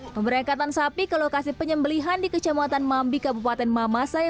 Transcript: pemberengkatan sapi ke lokasi penyembelihan di kecematan mambi kabupaten mamasa